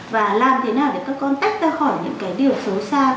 và làm thế nào để các con tách ra khỏi những cái điều xấu xa